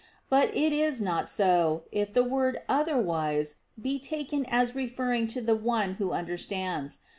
But it is not so, if the word "otherwise" be taken as referring to the one who understands.